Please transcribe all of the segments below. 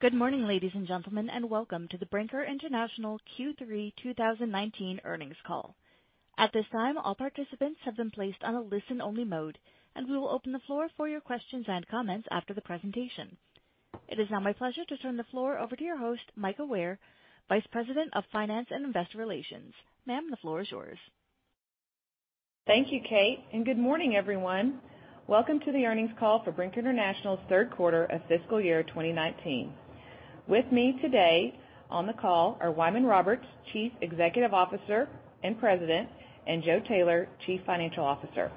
Good morning, ladies and gentlemen, welcome to the Brinker International Q3 2019 earnings call. At this time, all participants have been placed on a listen-only mode. We will open the floor for your questions and comments after the presentation. It is now my pleasure to turn the floor over to your host, Mika Ware, Vice President of Finance and Investor Relations. Ma'am, the floor is yours. Thank you, Kate. Good morning, everyone. Welcome to the earnings call for Brinker International's third quarter of fiscal year 2019. With me today on the call are Wyman Roberts, Chief Executive Officer and President, and Joe Taylor, Chief Financial Officer.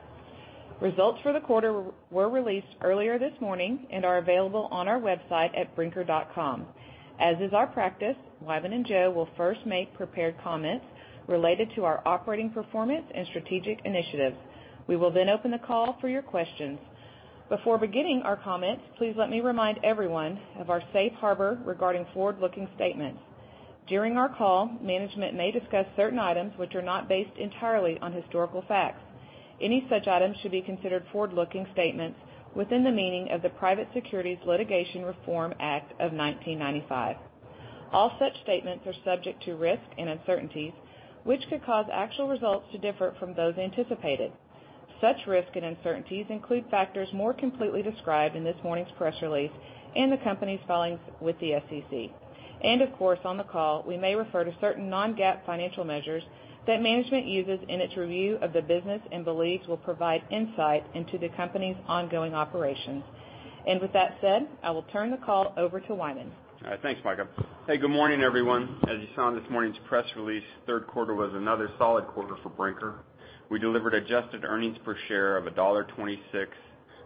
Results for the quarter were released earlier this morning and are available on our website at brinker.com. As is our practice, Wyman and Joe will first make prepared comments related to our operating performance and strategic initiatives. We will then open the call for your questions. Before beginning our comments, please let me remind everyone of our safe harbor regarding forward-looking statements. During our call, management may discuss certain items which are not based entirely on historical facts. Any such items should be considered forward-looking statements within the meaning of the Private Securities Litigation Reform Act of 1995. All such statements are subject to risk and uncertainties, which could cause actual results to differ from those anticipated. Such risk and uncertainties include factors more completely described in this morning's press release and the company's filings with the SEC. Of course, on the call, we may refer to certain non-GAAP financial measures that management uses in its review of the business and believes will provide insight into the company's ongoing operations. With that said, I will turn the call over to Wyman. All right. Thanks, Mika. Hey, good morning, everyone. As you saw in this morning's press release, third quarter was another solid quarter for Brinker. We delivered adjusted earnings per share of $1.26,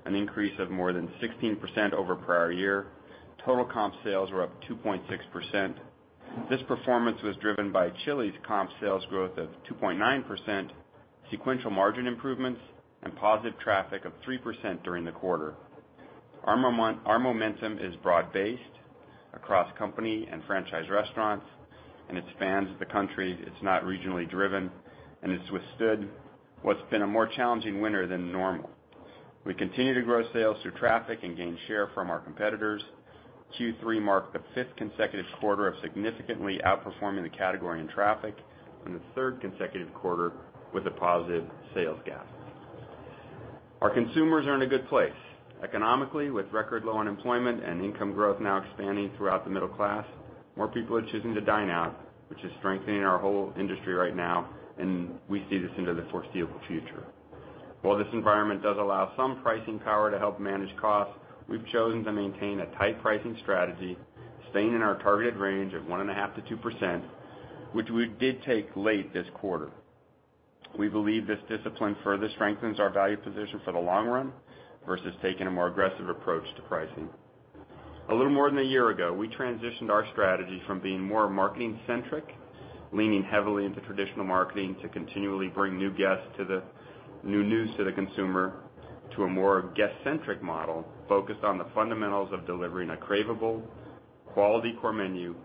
an increase of more than 16% over prior year. Total comp sales were up 2.6%. This performance was driven by Chili's comp sales growth of 2.9%, sequential margin improvements, and positive traffic of 3% during the quarter. Our momentum is broad-based across company and franchise restaurants. It spans the country. It's not regionally driven. It's withstood what's been a more challenging winter than normal. We continue to grow sales through traffic and gain share from our competitors. Q3 marked the fifth consecutive quarter of significantly outperforming the category in traffic, the third consecutive quarter with a positive sales gap. Our consumers are in a good place. Economically, with record low unemployment and income growth now expanding throughout the middle class, more people are choosing to dine out, which is strengthening our whole industry right now, and we see this into the foreseeable future. While this environment does allow some pricing power to help manage costs, we've chosen to maintain a tight pricing strategy, staying in our targeted range of 1.5%-2%, which we did take late this quarter. We believe this discipline further strengthens our value position for the long run versus taking a more aggressive approach to pricing. A little more than a year ago, we transitioned our strategy from being more marketing centric, leaning heavily into traditional marketing to continually bring new news to the consumer, to a more guest centric model focused on the fundamentals of delivering a craveable, quality core menu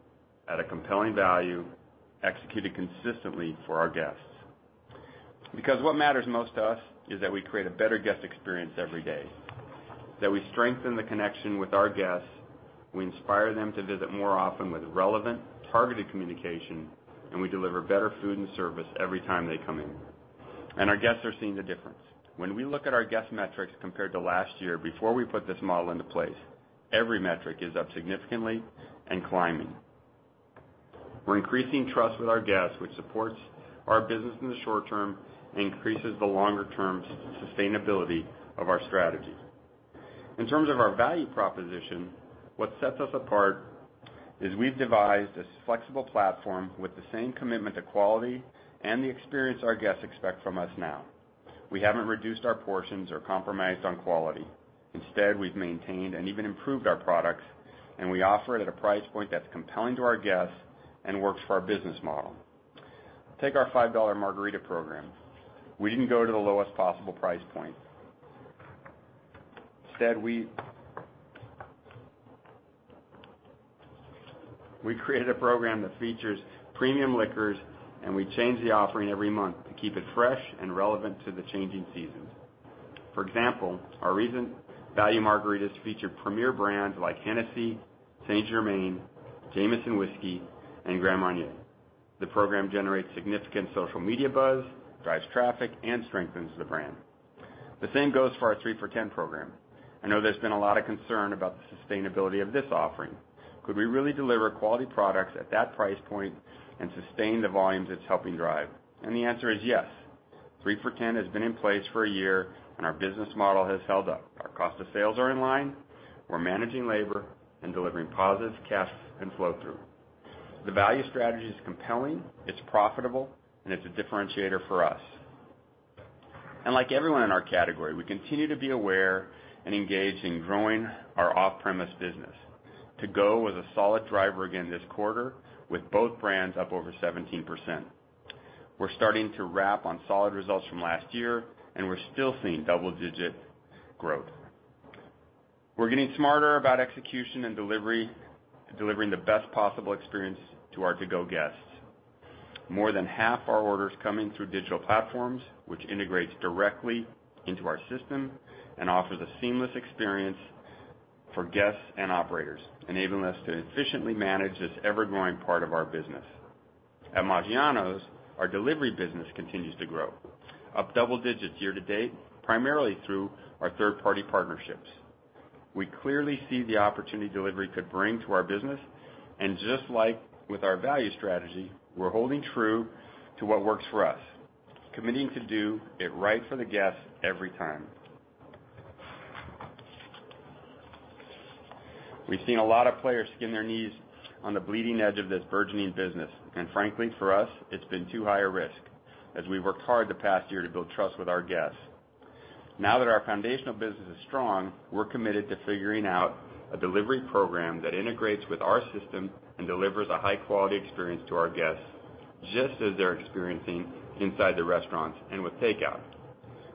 at a compelling value, executed consistently for our guests. What matters most to us, is that we create a better guest experience every day. We strengthen the connection with our guests, we inspire them to visit more often with relevant, targeted communication, and we deliver better food and service every time they come in. Our guests are seeing the difference. When we look at our guest metrics compared to last year before we put this model into place, every metric is up significantly and climbing. We're increasing trust with our guests, which supports our business in the short term and increases the longer-term sustainability of our strategy. In terms of our value proposition, what sets us apart is we've devised this flexible platform with the same commitment to quality and the experience our guests expect from us now. We haven't reduced our portions or compromised on quality. Instead, we've maintained and even improved our products, and we offer it at a price point that's compelling to our guests and works for our business model. Take our $5 margarita program. We didn't go to the lowest possible price point. Instead, we created a program that features premium liquors, and we change the offering every month to keep it fresh and relevant to the changing seasons. For example, our recent value margaritas feature premier brands like Hennessy, St-Germain, Jameson Whiskey, and Grand Marnier. The program generates significant social media buzz, drives traffic, and strengthens the brand. The same goes for our 3 for $10 program. I know there's been a lot of concern about the sustainability of this offering. Could we really deliver quality products at that price point and sustain the volumes it's helping drive? The answer is yes. 3 for $10 has been in place for a year, and our business model has held up. Our cost of sales are in line. We're managing labor and delivering positive cash and flow-through. The value strategy is compelling, it's profitable, and it's a differentiator for us. Like everyone in our category, we continue to be aware and engaged in growing our off-premise business. To-Go was a solid driver again this quarter, with both brands up over 17%. We're starting to wrap on solid results from last year, and we're still seeing double-digit growth. We're getting smarter about execution and delivering the best possible experience to our To-Go guests. More than half our orders come in through digital platforms, which integrates directly into our system and offers a seamless experience for guests and operators, enabling us to efficiently manage this ever-growing part of our business. At Maggiano's, our delivery business continues to grow, up double digits year to date, primarily through our third-party partnerships. Just like with our value strategy, we're holding true to what works for us, committing to do it right for the guests every time. We've seen a lot of players skin their knees on the bleeding edge of this burgeoning business, frankly, for us, it's been too high a risk, as we've worked hard the past year to build trust with our guests. Now that our foundational business is strong, we're committed to figuring out a delivery program that integrates with our system and delivers a high-quality experience to our guests, just as they're experiencing inside the restaurants and with takeout.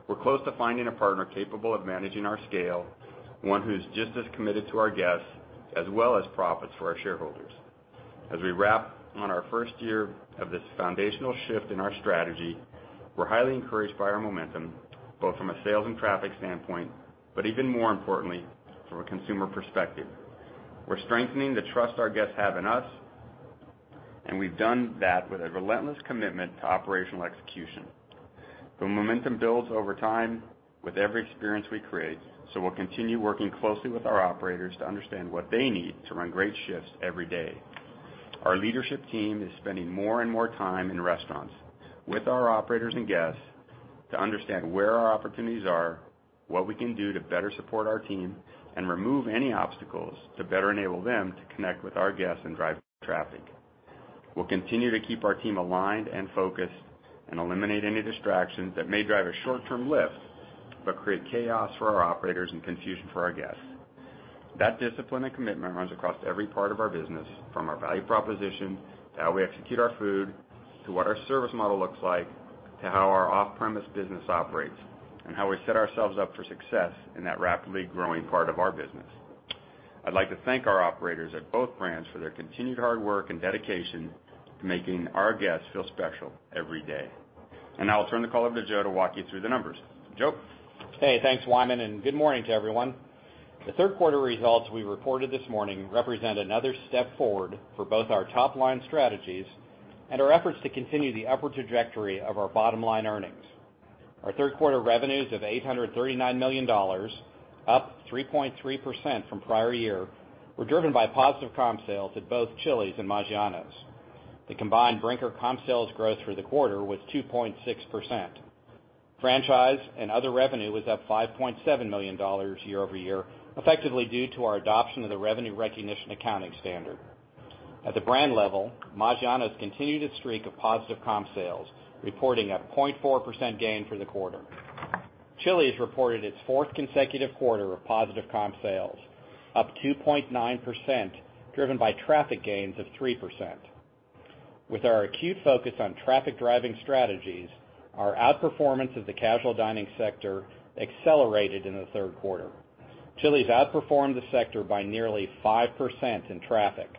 We're close to finding a partner capable of managing our scale, one who's just as committed to our guests, as well as profits for our shareholders. As we wrap on our first year of this foundational shift in our strategy, we're highly encouraged by our momentum, both from a sales and traffic standpoint, but even more importantly, from a consumer perspective. We're strengthening the trust our guests have in us. We've done that with a relentless commitment to operational execution. The momentum builds over time with every experience we create. We'll continue working closely with our operators to understand what they need to run great shifts every day. Our leadership team is spending more and more time in restaurants with our operators and guests to understand where our opportunities are, what we can do to better support our team, and remove any obstacles to better enable them to connect with our guests and drive traffic. We'll continue to keep our team aligned and focused and eliminate any distractions that may drive a short-term lift but create chaos for our operators and confusion for our guests. That discipline and commitment runs across every part of our business, from our value proposition, to how we execute our food, to what our service model looks like, to how our off-premise business operates, and how we set ourselves up for success in that rapidly growing part of our business. I'd like to thank our operators at both brands for their continued hard work and dedication to making our guests feel special every day. Now I'll turn the call over to Joe to walk you through the numbers. Joe? Hey, thanks, Wyman, and good morning to everyone. The third quarter results we reported this morning represent another step forward for both our top-line strategies and our efforts to continue the upward trajectory of our bottom-line earnings. Our third quarter revenues of $839 million, up 3.3% from prior year, were driven by positive comp sales at both Chili's and Maggiano's. The combined Brinker comp sales growth for the quarter was 2.6%. Franchise and other revenue was up $5.7 million year-over-year, effectively due to our adoption of the revenue recognition accounting standard. At the brand level, Maggiano's continued its streak of positive comp sales, reporting a 0.4% gain for the quarter. Chili's reported its fourth consecutive quarter of positive comp sales, up 2.9%, driven by traffic gains of 3%. With our acute focus on traffic-driving strategies, our outperformance of the casual dining sector accelerated in the third quarter. Chili's outperformed the sector by nearly 5% in traffic,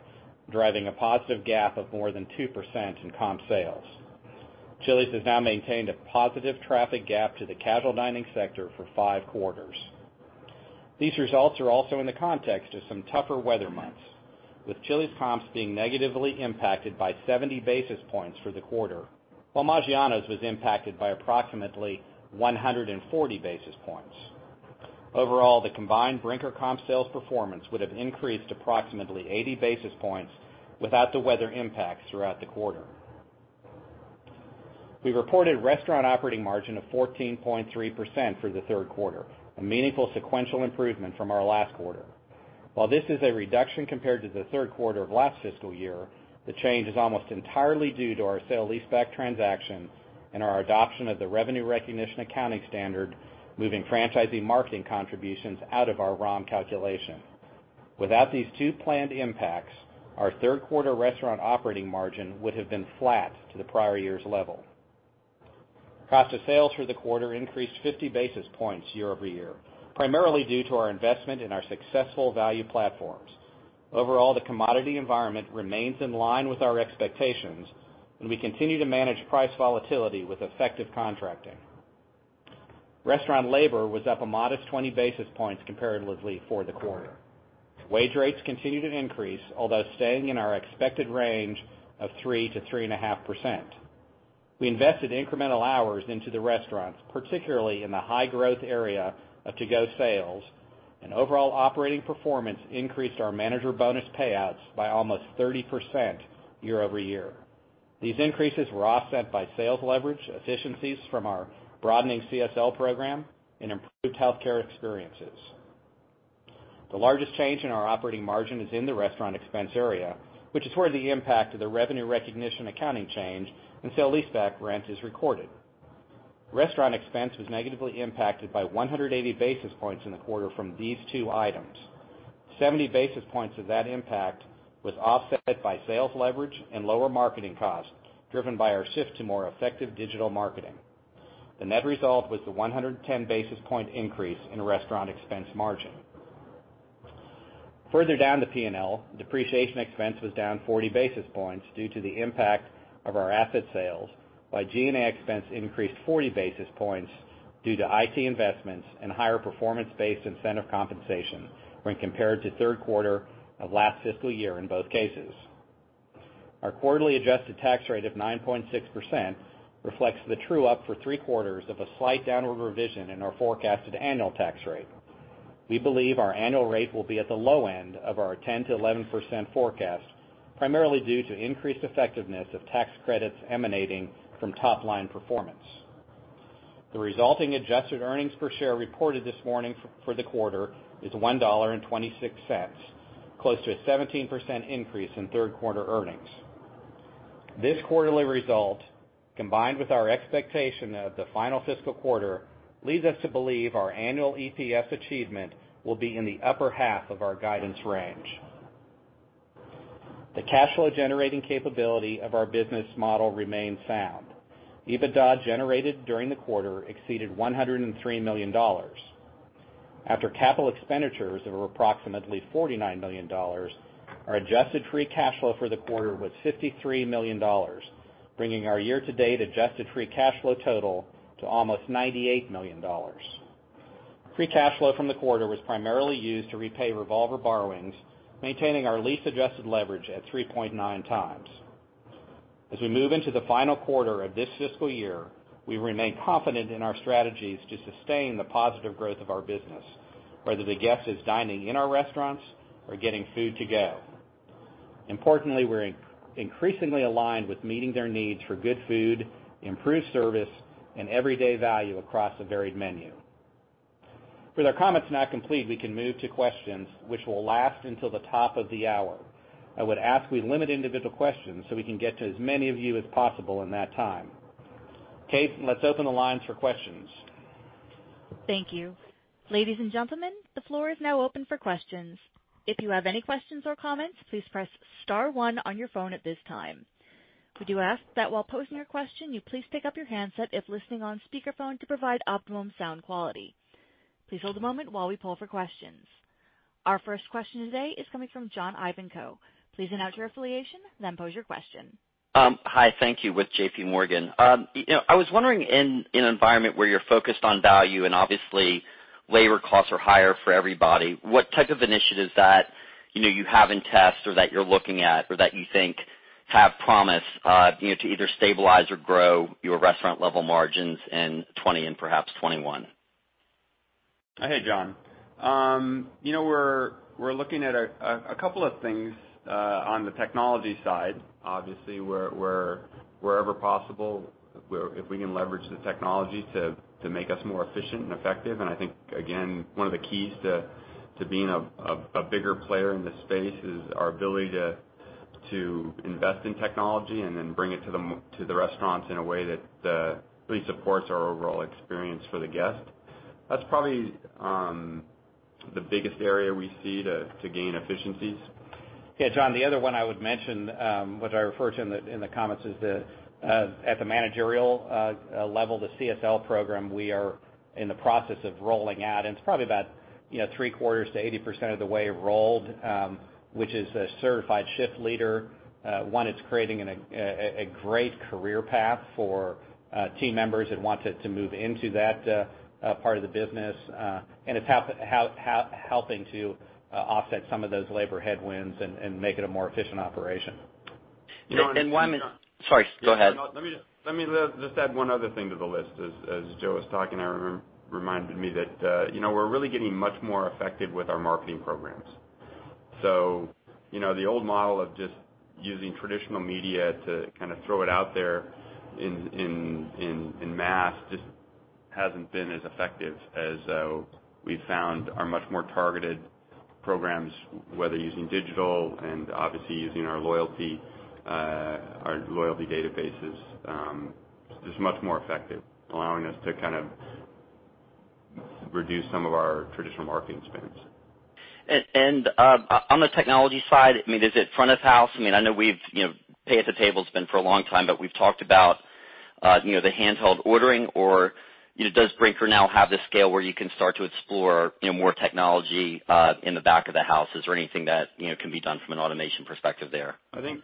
driving a positive gap of more than 2% in comp sales. Chili's has now maintained a positive traffic gap to the casual dining sector for five quarters. These results are also in the context of some tougher weather months, with Chili's comps being negatively impacted by 70 basis points for the quarter, while Maggiano's was impacted by approximately 140 basis points. Overall, the combined Brinker comp sales performance would have increased approximately 80 basis points without the weather impacts throughout the quarter. We reported restaurant operating margin of 14.3% for the third quarter, a meaningful sequential improvement from our last quarter. While this is a reduction compared to the third quarter of last fiscal year, the change is almost entirely due to our sale-leaseback transaction and our adoption of the revenue recognition accounting standard, moving franchisee marketing contributions out of our ROM calculation. Without these two planned impacts, our third quarter restaurant operating margin would have been flat to the prior year's level. Cost of sales for the quarter increased 50 basis points year-over-year, primarily due to our investment in our successful value platforms. Overall, the commodity environment remains in line with our expectations. We continue to manage price volatility with effective contracting. Restaurant labor was up a modest 20 basis points comparatively for the quarter. Wage rates continued to increase, although staying in our expected range of 3%-3.5%. We invested incremental hours into the restaurants, particularly in the high-growth area of To-Go sales. Overall operating performance increased our manager bonus payouts by almost 30% year-over-year. These increases were offset by sales leverage efficiencies from our broadening CSL program and improved healthcare experiences. The largest change in our operating margin is in the restaurant expense area, which is where the impact of the revenue recognition accounting change and sale-leaseback rent is recorded. Restaurant expense was negatively impacted by 180 basis points in the quarter from these two items. 70 basis points of that impact was offset by sales leverage and lower marketing costs, driven by our shift to more effective digital marketing. The net result was the 110 basis point increase in restaurant expense margin. Further down the P&L, depreciation expense was down 40 basis points due to the impact of our asset sales. G&A expense increased 40 basis points due to IT investments and higher performance-based incentive compensation when compared to third quarter of last fiscal year in both cases. Our quarterly adjusted tax rate of 9.6% reflects the true up for three quarters of a slight downward revision in our forecasted annual tax rate. We believe our annual rate will be at the low end of our 10%-11% forecast, primarily due to increased effectiveness of tax credits emanating from top-line performance. The resulting adjusted earnings per share reported this morning for the quarter is $1.26, close to a 17% increase in third quarter earnings. This quarterly result, combined with our expectation of the final fiscal quarter, leads us to believe our annual EPS achievement will be in the upper half of our guidance range. The cash flow generating capability of our business model remains sound. EBITDA generated during the quarter exceeded $103 million. After capital expenditures of approximately $49 million, our adjusted free cash flow for the quarter was $53 million, bringing our year-to-date adjusted free cash flow total to almost $98 million. Free cash flow from the quarter was primarily used to repay revolver borrowings, maintaining our lease-adjusted leverage at 3.9x. As we move into the final quarter of this fiscal year, we remain confident in our strategies to sustain the positive growth of our business, whether the guest is dining in our restaurants or getting food to go. Importantly, we're increasingly aligned with meeting their needs for good food, improved service, and everyday value across a varied menu. With our comments now complete, we can move to questions, which will last until the top of the hour. I would ask we limit individual questions so we can get to as many of you as possible in that time. Kate, let's open the lines for questions. Thank you. Ladies and gentlemen, the floor is now open for questions. If you have any questions or comments, please press star one on your phone at this time. We do ask that while posing your question, you please pick up your handset if listening on speakerphone to provide optimum sound quality. Please hold a moment while we poll for questions. Our first question today is coming from John Ivankoe. Please announce your affiliation, then pose your question. Hi. Thank you. With JPMorgan. I was wondering, in an environment where you're focused on value and obviously labor costs are higher for everybody, what type of initiatives that you have in test or that you're looking at or that you think have promise to either stabilize or grow your restaurant level margins in 2020 and perhaps 2021? Hey, John. We're looking at a couple of things on the technology side. Obviously, wherever possible, if we can leverage the technology to make us more efficient and effective. I think, again, one of the keys to being a bigger player in this space is our ability to invest in technology and then bring it to the restaurants in a way that really supports our overall experience for the guest. That's probably the biggest area we see to gain efficiencies. Yeah, John, the other one I would mention which I referred to in the comments is at the managerial level, the CSL program we are in the process of rolling out. It's probably about three-quarters to 80% of the way rolled, which is a certified shift leader. One, it's creating a great career path for team members that want to move into that part of the business. It's helping to offset some of those labor headwinds and make it a more efficient operation. And one- Sorry, go ahead. Let me just add one other thing to the list. As Joe was talking, it reminded me that we're really getting much more effective with our marketing programs. The old model of just using traditional media to kind of throw it out there in mass just hasn't been as effective as we've found our much more targeted programs, whether using digital and obviously using our loyalty databases. Just much more effective, allowing us to kind of reduce some of our traditional marketing spends. On the technology side, is it front of house? I know pay-at-table's been for a long time, but we've talked about the handheld ordering. Does Brinker now have the scale where you can start to explore more technology in the back of the house? Is there anything that can be done from an automation perspective there? I think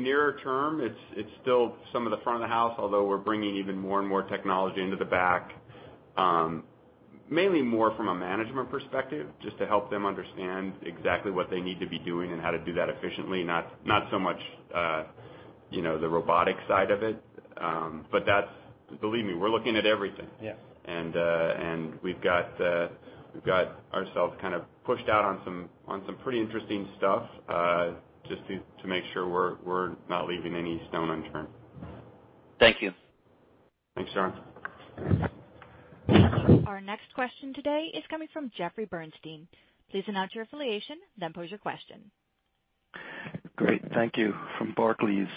nearer term, it's still some of the front of the house, although we're bringing even more and more technology into the back. Mainly more from a management perspective, just to help them understand exactly what they need to be doing and how to do that efficiently, not so much the robotic side of it. Believe me, we're looking at everything. Yeah. We've got ourselves kind of pushed out on some pretty interesting stuff, just to make sure we're not leaving any stone unturned. Thank you. Thanks, John. Thank you. Our next question today is coming from Jeffrey Bernstein. Please announce your affiliation, then pose your question. Great. Thank you. From Barclays.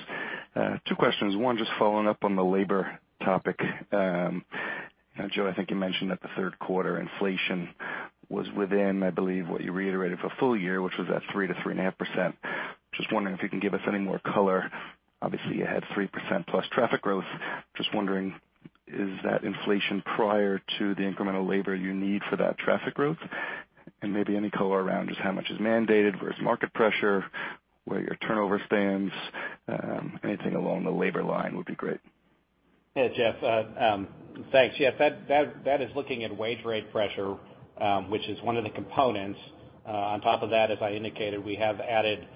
Two questions. One, just following up on the labor topic. Joe, I think you mentioned that the third quarter inflation was within, I believe, what you reiterated for full-year, which was at 3%-3.5%. Can you give us any more color. Obviously, you had 3%+ traffic growth. Is that inflation prior to the incremental labor you need for that traffic growth? Maybe any color around just how much is mandated versus market pressure, where your turnover stands. Anything along the labor line would be great. Yeah, Jeff. Thanks. That is looking at wage rate pressure, which is one of the components. On top of that, as I indicated, we have added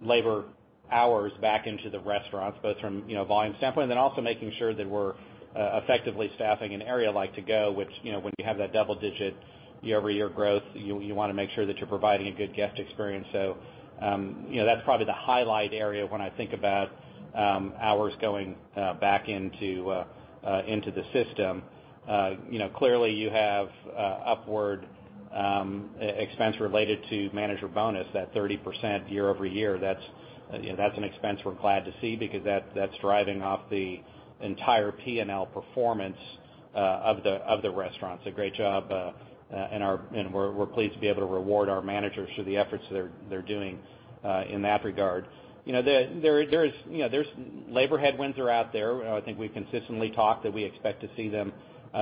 labor hours back into the restaurants, both from volume standpoint, and then also making sure that we're effectively staffing an area like To-Go, which, when you have that double digit year-over-year growth, you want to make sure that you're providing a good guest experience. That's probably the highlight area when I think about hours going back into the system. Clearly you have upward expense related to manager bonus, that 30% year-over-year. That's an expense we're glad to see because that's driving off the entire P&L performance of the restaurants. We're pleased to be able to reward our managers for the efforts they're doing, in that regard. Labor headwinds are out there. We've consistently talked that we expect to see them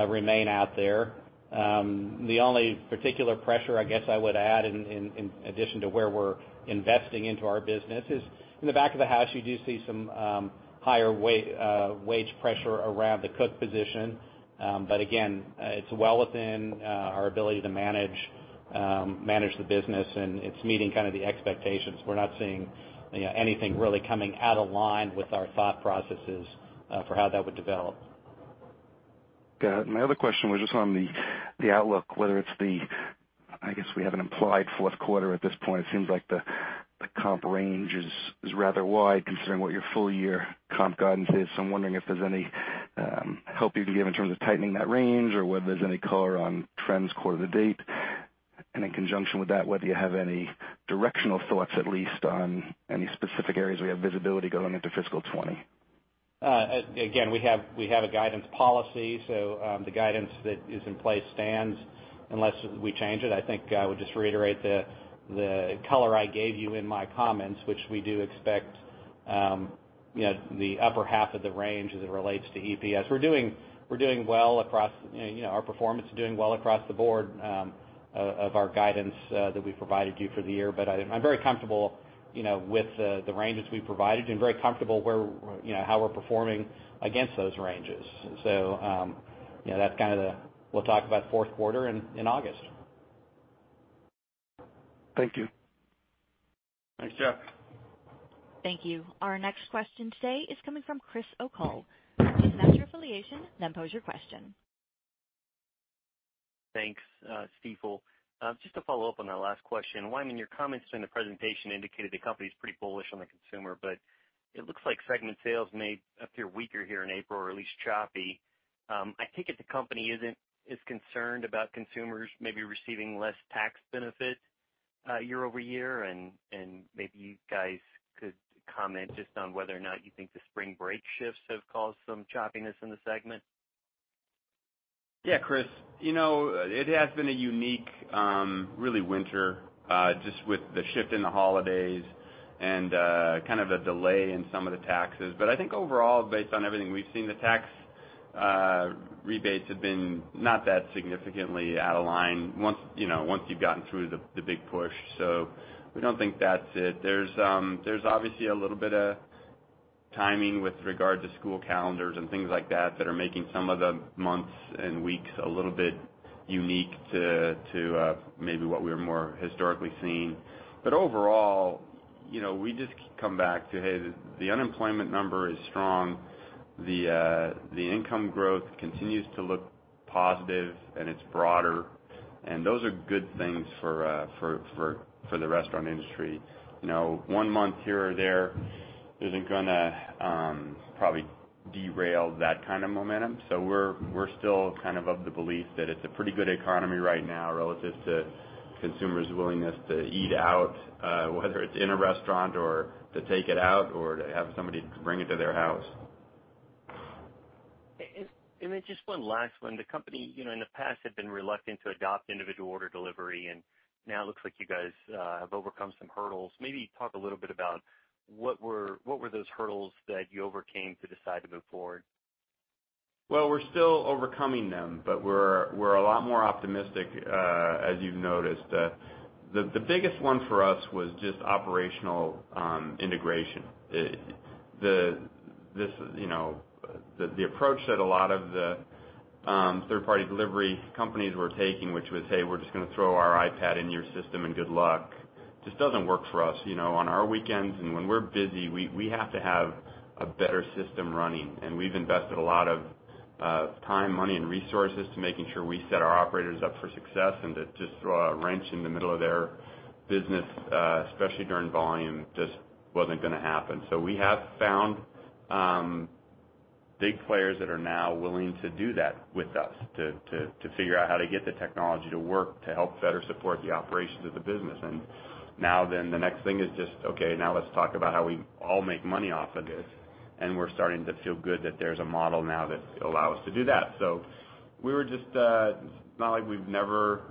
remain out there. The only particular pressure in addition to where we're investing into our business is in the back of the house, you do see some higher wage pressure around the cook position. It's well within our ability to manage the business, and it's meeting kind of the expectations. We're not seeing anything really coming out of line with our thought processes, for how that would develop. Got it. My other question was just on the outlook, whether it's the, we have an implied fourth quarter at this point. It seems like the comp range is rather wide considering what your full-year comp guidance is. Is there any help you can give in terms of tightening that range, or whether there's any color on trends quarter to date. In conjunction with that, whether you have any directional thoughts, at least on any specific areas where you have visibility going into fiscal 2020. We have a guidance policy. The guidance that is in place stands unless we change it. I think I would just reiterate the color I gave you in my comments, which we do expect the upper half of the range as it relates to EPS. Our performance is doing well across the board of our guidance that we provided you for the year. I'm very comfortable with the ranges we've provided and very comfortable how we're performing against those ranges. We'll talk about fourth quarter in August. Thank you. Thanks, Jeff. Thank you. Our next question today is coming from Chris O'Cull. Please state your affiliation, then pose your question. Thanks, Stifel. Just to follow up on that last question, Wyman, your comments during the presentation indicated the company's pretty bullish on the consumer, but it looks like segment sales may appear weaker here in April, or at least choppy. I take it the company isn't as concerned about consumers maybe receiving less tax benefit year-over-year, and maybe you guys could comment just on whether or not you think the spring break shifts have caused some choppiness in the segment. Yeah, Chris. It has been a unique, really winter, just with the shift in the holidays and kind of a delay in some of the taxes. I think overall, based on everything we've seen, the tax rebates have been not that significantly out of line once you've gotten through the big push. We don't think that's it. There's obviously a little bit of timing with regard to school calendars and things like that that are making some of the months and weeks a little bit unique to maybe what we were more historically seeing. Overall, we just come back to, hey, the unemployment number is strong. The income growth continues to look positive, and it's broader, and those are good things for the restaurant industry. One month here or there isn't going to probably derail that kind of momentum. We're still kind of of the belief that it's a pretty good economy right now relative to consumers' willingness to eat out, whether it's in a restaurant or to take it out or to have somebody bring it to their house. Just one last one. The company, in the past, had been reluctant to adopt individual order delivery, and now it looks like you guys have overcome some hurdles. Maybe talk a little bit about what were those hurdles that you overcame to decide to move forward? Well, we're still overcoming them, but we're a lot more optimistic, as you've noticed. The biggest one for us was just operational integration. The approach that a lot of the third-party delivery companies were taking, which was, "Hey, we're just going to throw our iPad in your system and good luck" just doesn't work for us. On our weekends and when we're busy, we have to have a better system running, and we've invested a lot of time, money, and resources to making sure we set our operators up for success. To just throw a wrench in the middle of their business, especially during volume, just wasn't going to happen. We have found big players that are now willing to do that with us, to figure out how to get the technology to work, to help better support the operations of the business. Now then the next thing is just, okay, now let's talk about how we all make money off of this, and we're starting to feel good that there's a model now that allow us to do that. It's not like we've never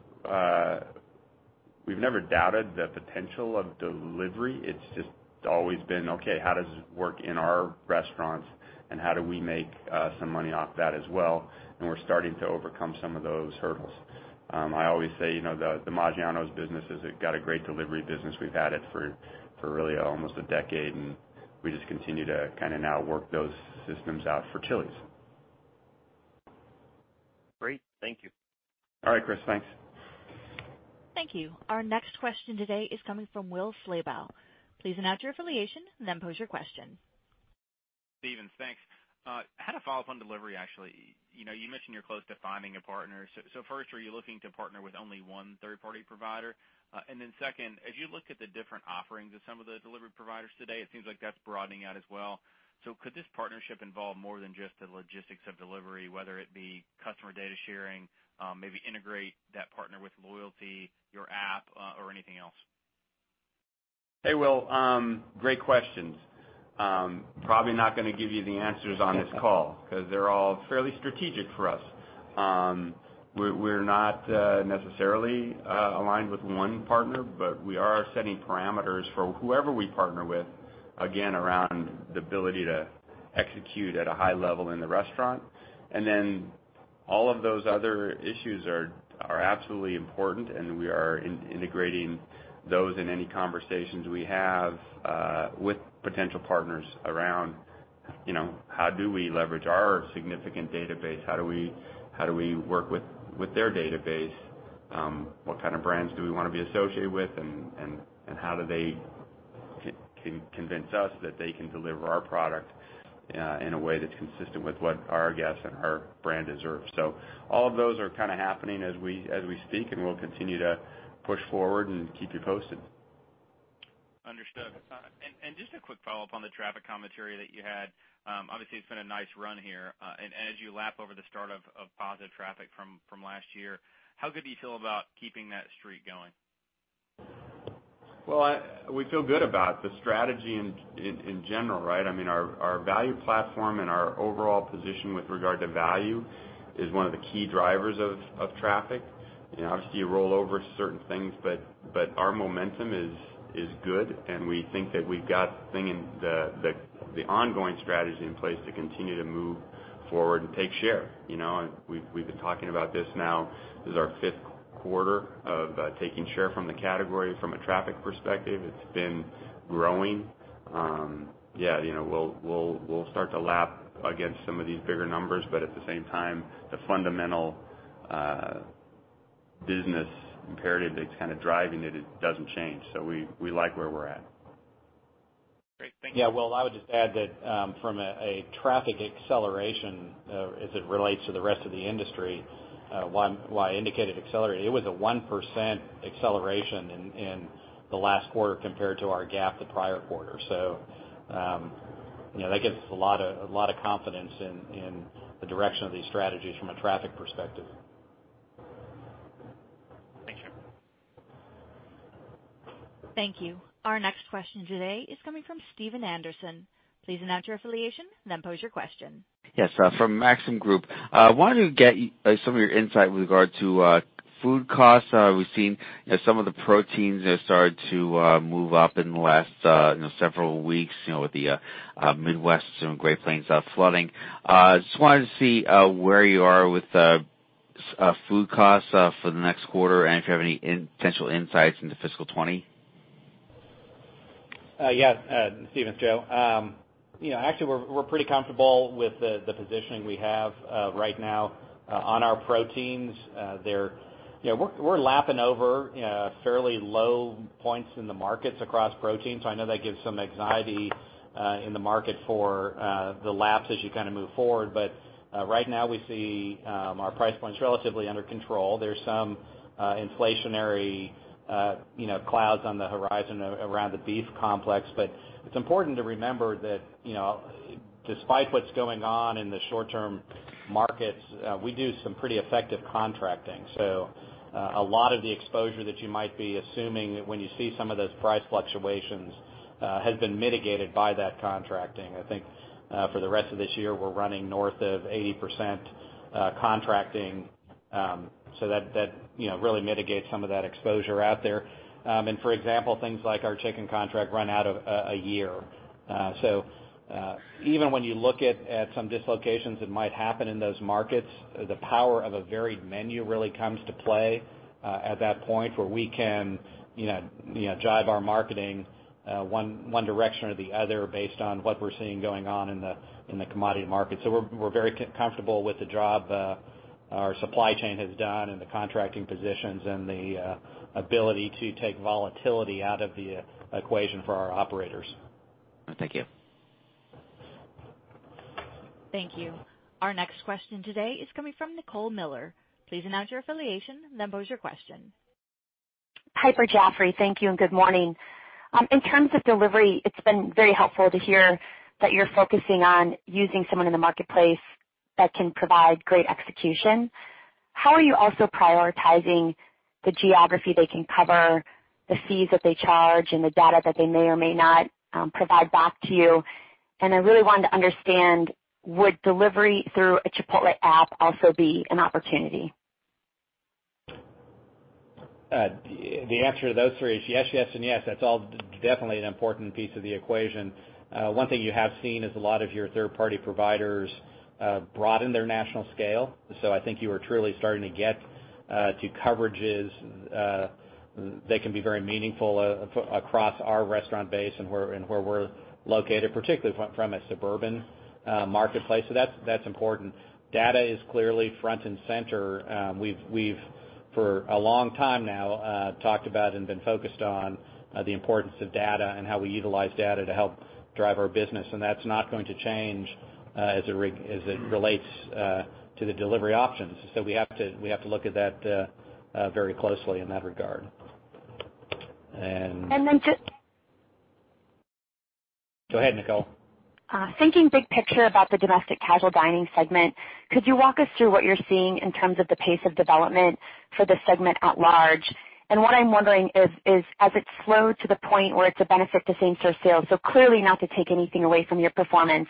doubted the potential of delivery. It's just always been, okay, how does this work in our restaurants, and how do we make some money off that as well? We're starting to overcome some of those hurdles. I always say, the Maggiano's business has got a great delivery business. We've had it for really almost a decade, and we just continue to now work those systems out for Chili's. Great. Thank you. All right, Chris. Thanks. Thank you. Our next question today is coming from Will Slabaugh. Please announce your affiliation, and then pose your question. Stephens, thanks. I had a follow-up on delivery, actually. You mentioned you're close to finding a partner. First, are you looking to partner with only one third-party provider? Second, as you look at the different offerings of some of the delivery providers today, it seems like that's broadening out as well. Could this partnership involve more than just the logistics of delivery, whether it be customer data sharing, maybe integrate that partner with loyalty, your app, or anything else? Hey, Will. Great questions. Probably not going to give you the answers on this call, because they're all fairly strategic for us. We're not necessarily aligned with one partner, but we are setting parameters for whoever we partner with, again, around the ability to execute at a high level in the restaurant. All of those other issues are absolutely important, and we are integrating those in any conversations we have with potential partners around how do we leverage our significant database? How do we work with their database? What kind of brands do we want to be associated with, and how do they convince us that they can deliver our product in a way that's consistent with what our guests and our brand deserves? All of those are happening as we speak, and we'll continue to push forward and keep you posted. Understood. Just a quick follow-up on the traffic commentary that you had. Obviously, it's been a nice run here. As you lap over the start of positive traffic from last year, how good do you feel about keeping that streak going? Well, we feel good about the strategy in general, right? Our value platform and our overall position with regard to value is one of the key drivers of traffic. Obviously, you roll over certain things, our momentum is good, and we think that we've got the ongoing strategy in place to continue to move forward and take share. We've been talking about this now, this is our fifth quarter of taking share from the category from a traffic perspective. It's been growing. We'll start to lap against some of these bigger numbers, at the same time, the fundamental business imperative that's driving it doesn't change. We like where we're at. Great. Thank you. Yeah. Will, I would just add that from a traffic acceleration, as it relates to the rest of the industry, while I indicated accelerated, it was a 1% acceleration in the last quarter compared to our gap the prior quarter. That gives us a lot of confidence in the direction of these strategies from a traffic perspective. Thank you. Thank you. Our next question today is coming from Steve Anderson. Please announce your affiliation, and then pose your question. Yes, from Maxim Group. I wanted to get some of your insight with regard to food costs. We've seen some of the proteins have started to move up in the last several weeks, with the Midwest and Great Plains flooding. Just wanted to see where you are with food costs for the next quarter and if you have any potential insights into fiscal 2020. Yes. Steve, it's Joe. Actually, we're pretty comfortable with the positioning we have right now on our proteins. We're lapping over fairly low points in the markets across proteins, I know that gives some anxiety in the market for the lapse as you move forward. Right now we see our price points relatively under control. There's some inflationary clouds on the horizon around the beef complex. It's important to remember that despite what's going on in the short-term markets, we do some pretty effective contracting. A lot of the exposure that you might be assuming when you see some of those price fluctuations has been mitigated by that contracting. I think for the rest of this year, we're running north of 80% contracting, that really mitigates some of that exposure out there. For example, things like our chicken contract run out a year. Even when you look at some dislocations that might happen in those markets, the power of a varied menu really comes to play at that point, where we can drive our marketing one direction or the other based on what we're seeing going on in the commodity market. We're very comfortable with the job our supply chain has done and the contracting positions and the ability to take volatility out of the equation for our operators. Thank you. Thank you. Our next question today is coming from Nicole Miller. Please announce your affiliation, and then pose your question. Piper Jaffray. Thank you. Good morning. In terms of delivery, it's been very helpful to hear that you're focusing on using someone in the marketplace that can provide great execution. How are you also prioritizing the geography they can cover? The fees that they charge and the data that they may or may not provide back to you. I really wanted to understand, would delivery through a Chipotle app also be an opportunity? The answer to those three is yes, and yes. That's all definitely an important piece of the equation. One thing you have seen is a lot of your third-party providers broaden their national scale. I think you are truly starting to get to coverages that can be very meaningful across our restaurant base and where we're located, particularly from a suburban marketplace. That's important. Data is clearly front and center. We've, for a long time now, talked about and been focused on the importance of data and how we utilize data to help drive our business, and that's not going to change as it relates to the delivery options. We have to look at that very closely in that regard. And then just- Go ahead, Nicole. Thinking big picture about the domestic casual dining segment, could you walk us through what you're seeing in terms of the pace of development for the segment at large? What I'm wondering is, has it slowed to the point where it's a benefit to same-store sales? Clearly not to take anything away from your performance,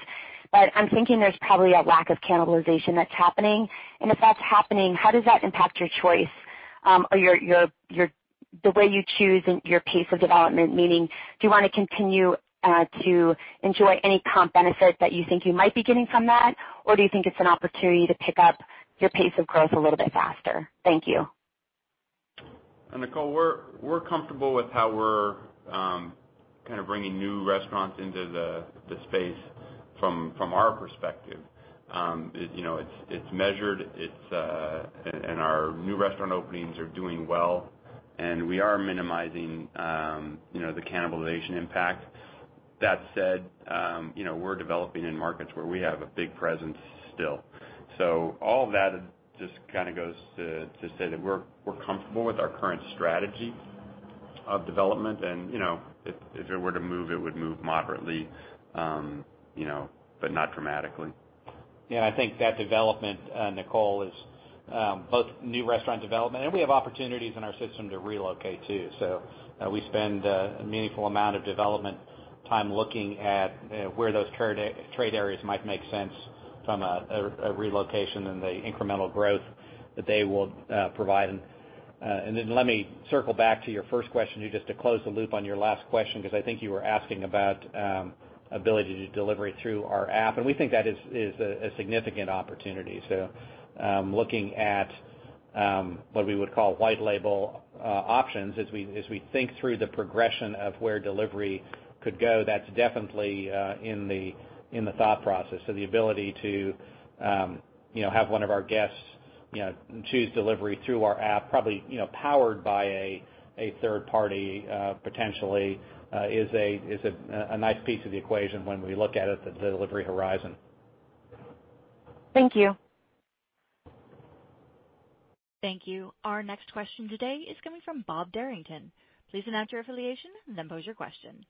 but I'm thinking there's probably a lack of cannibalization that's happening. If that's happening, how does that impact your choice or the way you choose your pace of development? Meaning, do you want to continue to enjoy any comp benefit that you think you might be getting from that? Do you think it's an opportunity to pick up your pace of growth a little bit faster? Thank you. Nicole, we're comfortable with how we're bringing new restaurants into the space from our perspective. It's measured, and our new restaurant openings are doing well. We are minimizing the cannibalization impact. That said, we're developing in markets where we have a big presence still. All of that just goes to say that we're comfortable with our current strategy of development, and if it were to move, it would move moderately, but not dramatically. Yeah. I think that development, Nicole, is both new restaurant development, and we have opportunities in our system to relocate, too. We spend a meaningful amount of development time looking at where those trade areas might make sense from a relocation and the incremental growth that they will provide. Then let me circle back to your first question, just to close the loop on your last question, because I think you were asking about ability to delivery through our app. We think that is a significant opportunity. Looking at what we would call white label options, as we think through the progression of where delivery could go, that's definitely in the thought process. The ability to have one of our guests choose delivery through our app, probably powered by a third party, potentially, is a nice piece of the equation when we look at the delivery horizon. Thank you. Thank you. Our next question today is coming from Bob Derrington. Please state your affiliation and then pose your question.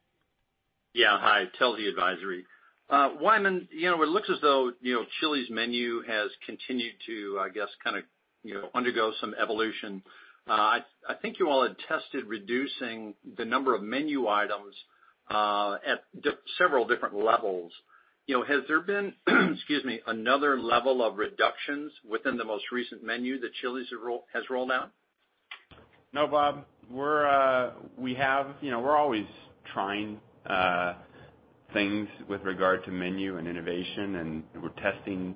Yeah. Hi. Telsey Advisory. Wyman, it looks as though Chili's menu has continued to, I guess, undergo some evolution. I think you all had tested reducing the number of menu items at several different levels. Has there been another level of reductions within the most recent menu that Chili's has rolled out? No, Bob. We're always trying things with regard to menu and innovation, we're testing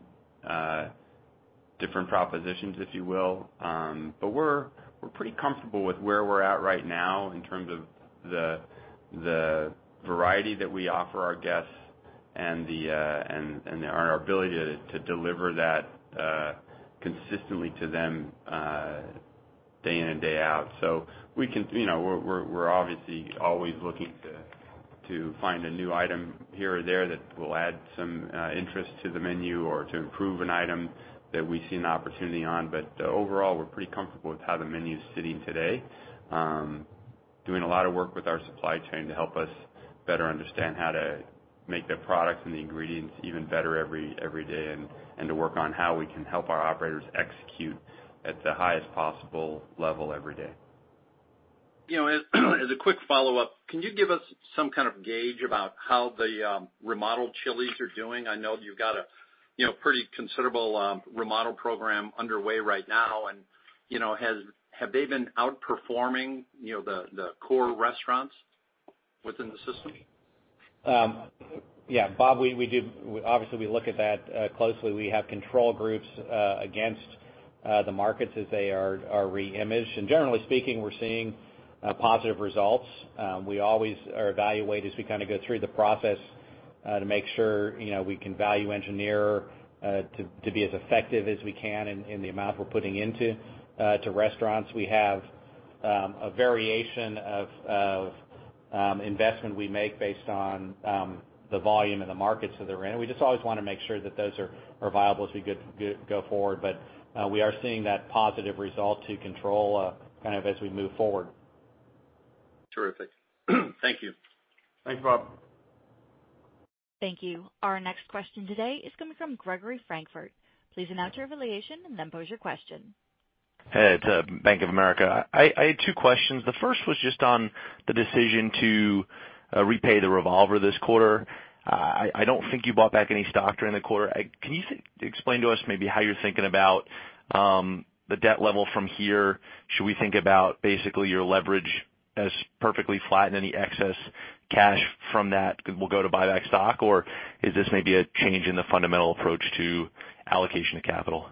different propositions, if you will. We're pretty comfortable with where we're at right now in terms of the variety that we offer our guests and our ability to deliver that consistently to them day in and day out. We're obviously always looking to find a new item here or there that will add some interest to the menu or to improve an item that we see an opportunity on. Overall, we're pretty comfortable with how the menu is sitting today. Doing a lot of work with our supply chain to help us better understand how to make the products and the ingredients even better every day and to work on how we can help our operators execute at the highest possible level every day. As a quick follow-up, can you give us some kind of gauge about how the remodeled Chili's are doing? I know you've got a pretty considerable remodel program underway right now. Have they been outperforming the core restaurants within the system? Yeah. Bob, obviously, we look at that closely. We have control groups against the markets as they are reimaged. Generally speaking, we're seeing positive results. We always evaluate as we go through the process to make sure we can value engineer to be as effective as we can in the amount we're putting into restaurants. We have a variation of investment we make based on the volume and the markets that they're in. We just always want to make sure that those are viable as we go forward. We are seeing that positive result to control as we move forward. Terrific. Thank you. Thanks, Bob. Thank you. Our next question today is coming from Gregory Francfort. Please announce your affiliation and then pose your question. Hey, it's Bank of America. I had two questions. The first was just on the decision to repay the revolver this quarter. I don't think you bought back any stock during the quarter. Can you explain to us maybe how you're thinking about the debt level from here? Should we think about basically your leverage as perfectly flat and any excess cash from that will go to buy back stock? Or is this maybe a change in the fundamental approach to allocation of capital?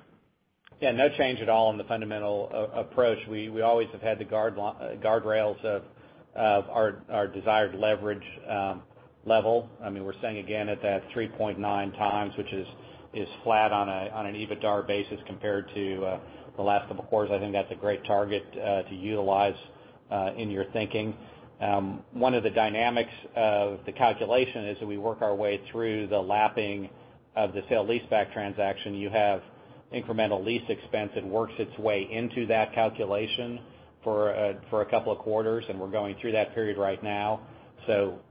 No change at all in the fundamental approach. We always have had the guardrails of our desired leverage level. We're sitting again at that 3.9x, which is flat on an EBITDAR basis compared to the last couple of quarters. I think that's a great target to utilize in your thinking. One of the dynamics of the calculation is that we work our way through the lapping of the sale-leaseback transaction. You have incremental lease expense that works its way into that calculation for a couple of quarters, and we're going through that period right now.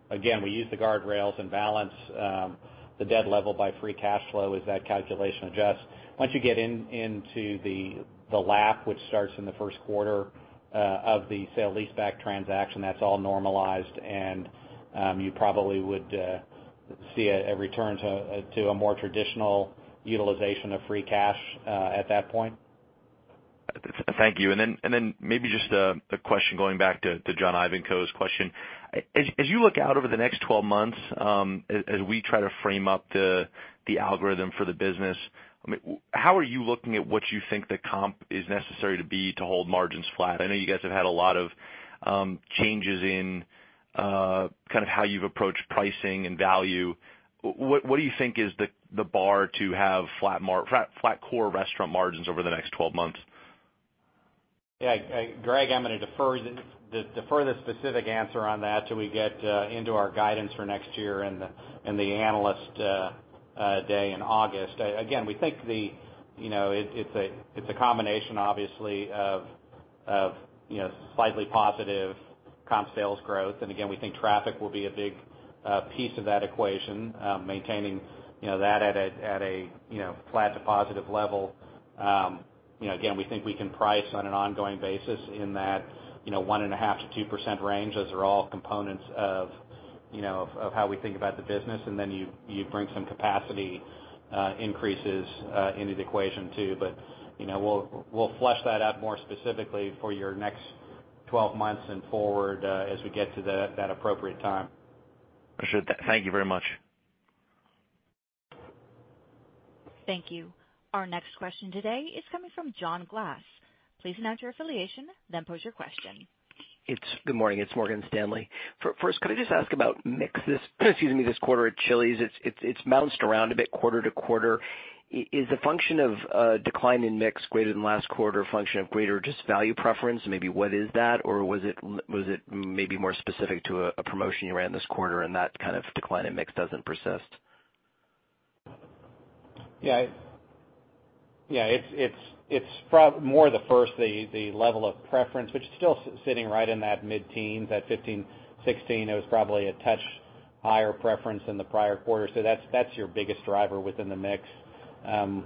Again, we use the guardrails and balance the debt level by free cash flow as that calculation adjusts. Once you get into the lap, which starts in the first quarter of the sale-leaseback transaction, that's all normalized and you probably would see a return to a more traditional utilization of free cash at that point. Thank you. Then maybe just a question going back to John Ivankoe's question. As you look out over the next 12 months, as we try to frame up the algorithm for the business, how are you looking at what you think the comp is necessary to be to hold margins flat? I know you guys have had a lot of changes in how you've approached pricing and value. What do you think is the bar to have flat core restaurant margins over the next 12 months? Greg, I'm going to defer the specific answer on that till we get into our guidance for next year in the Analyst Day in August. Again, we think it's a combination, obviously, of slightly positive comp sales growth. Again, we think traffic will be a big piece of that equation, maintaining that at a flat to positive level. Again, we think we can price on an ongoing basis in that 1.5%-2% range. Those are all components of how we think about the business. Then you bring some capacity increases into the equation too. We'll flesh that out more specifically for your next 12 months and forward as we get to that appropriate time. Appreciate that. Thank you very much. Thank you. Our next question today is coming from John Glass. Please announce your affiliation, then pose your question. Good morning. It's Morgan Stanley. First, could I just ask about mix this quarter at Chili's? It's bounced around a bit quarter-to-quarter. Is the function of a decline in mix greater than last quarter a function of greater just value preference, maybe what is that? Or was it maybe more specific to a promotion you ran this quarter and that kind of decline in mix doesn't persist? Yeah. It's more the first, the level of preference, which is still sitting right in that mid-teens, that 15, 16. It was probably a touch higher preference in the prior quarter. That's your biggest driver within the mix. During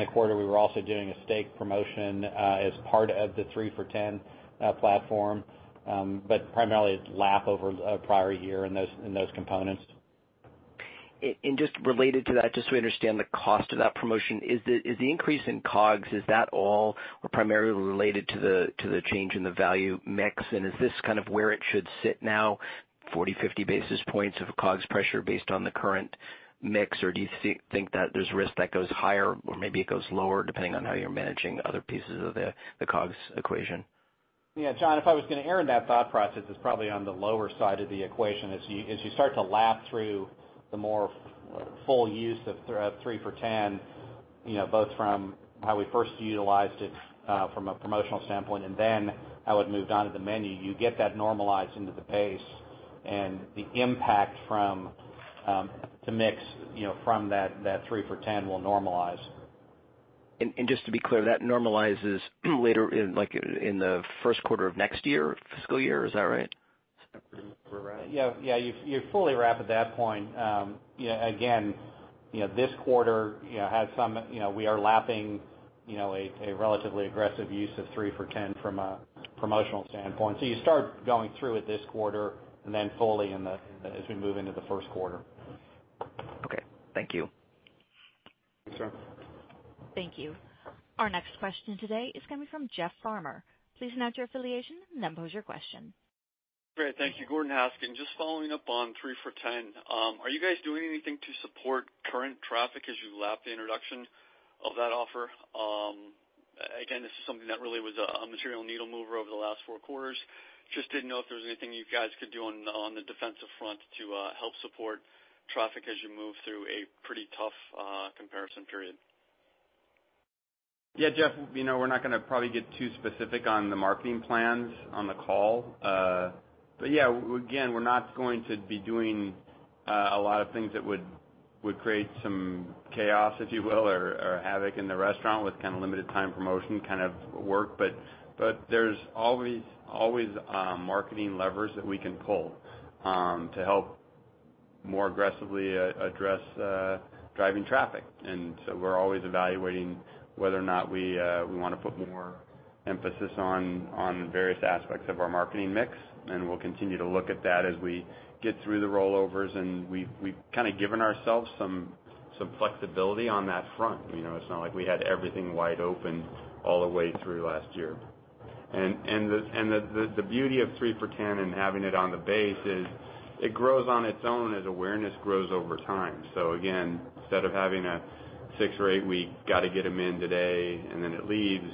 the quarter, we were also doing a steak promotion as part of the 3 for $10 platform. Primarily it's lap over prior year in those components. Just related to that, just so we understand the cost of that promotion, is the increase in COGS, is that all or primarily related to the change in the value mix? Is this kind of where it should sit now, 40, 50 basis points of COGS pressure based on the current mix? Or do you think that there's risk that goes higher or maybe it goes lower depending on how you're managing other pieces of the COGS equation? Yeah, John, if I was going to err in that thought process, it's probably on the lower side of the equation. As you start to lap through the more full use of 3 for $10, both from how we first utilized it from a promotional standpoint, and then how it moved onto the menu, you get that normalized into the base and the impact from the mix from that 3 for $10 will normalize. Just to be clear, that normalizes later in the first quarter of next year, fiscal year, is that right? Yeah. You fully wrap at that point. Again, this quarter, we are lapping a relatively aggressive use of 3 for $10 from a promotional standpoint. You start going through it this quarter and then fully as we move into the first quarter. Okay. Thank you. Thanks, John. Thank you. Our next question today is coming from Jeff Farmer. Please announce your affiliation, then pose your question. Great. Thank you. Gordon Haskett. Just following up on 3 for $10. Are you guys doing anything to support current traffic as you lap the introduction of that offer? Again, this is something that really was a material needle mover over the last four quarters. Just didn't know if there was anything you guys could do on the defensive front to help support traffic as you move through a pretty tough comparison period. Yeah, Jeff, we're not going to probably get too specific on the marketing plans on the call. Again, we're not going to be doing a lot of things that would create some chaos, if you will, or havoc in the restaurant with kind of limited time promotion kind of work. There's always marketing levers that we can pull to help more aggressively address driving traffic. We're always evaluating whether or not we want to put more emphasis on various aspects of our marketing mix. We'll continue to look at that as we get through the rollovers, and we've kind of given ourselves some flexibility on that front. It's not like we had everything wide open all the way through last year. The beauty of 3 for $10 and having it on the base is it grows on its own as awareness grows over time. Again, instead of having a six or eight week, got to get them in today, and then it leaves,